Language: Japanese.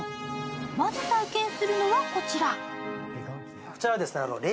まず体験するのは、こちら。